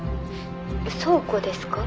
倉庫ですか？